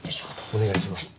お願いします。